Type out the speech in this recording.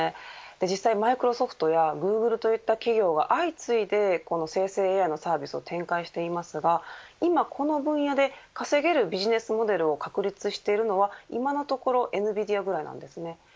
実際マイクロソフトやグーグルといった企業が相次いでこの生成ＡＩのサービスを展開していますが今、この分野で稼げるビジネスモデルを確立しているのは今のところエヌビディアぐらいなんですね。